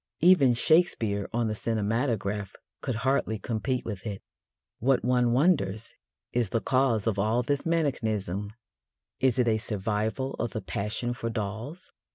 Even Shakespeare on the cinematograph could hardly compete with it. What, one wonders, is the cause of all this mannequinism? Is it a survival of the passion for dolls?